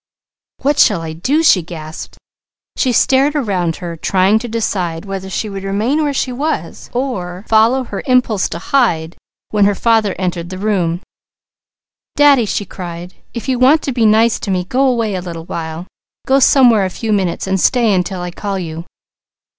"What shall I do?" she gasped. She stared around her, trying to decide whether she should follow her impulse to hide, when her father entered the room. "Daddy," she cried, "if you want to be nice to me, go away a little while. Go somewhere a few minutes and stay until I call you."